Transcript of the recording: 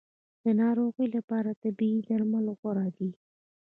د ناروغۍ لپاره طبیعي درمل غوره دي